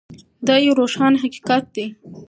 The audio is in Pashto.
دا یو روښانه حقیقت دی.